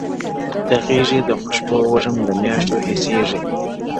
د غيږي د خوشبو وږم له مياشتو حيسيږي ـ